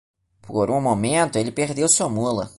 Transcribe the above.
Por um momento ele perdeu sua mula.